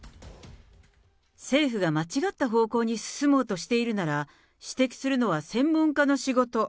政府が間違った方向に進もうとしているなら、指摘するのは専門家の仕事。